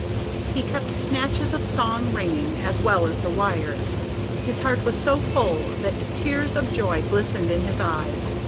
He kept snatches of song ringing, as well as the wires. His heart was so full that tears of joy glistened in his eyes.